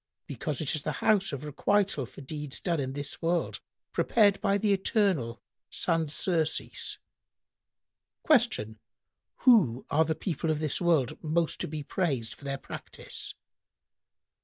"— "Because it is the house of requital for deeds done in this world prepared by the Eternal sans surcease." Q "Who are the people of this world most to be praised for their practice?"